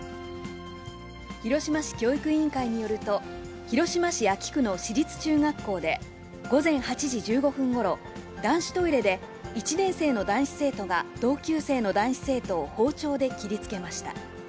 広島市教育委員会によると、広島市安芸区の市立中学校で、午前８時１５分ごろ、男子トイレで、１年生の男子生徒が同級生の男子生徒を包丁で切りつけました。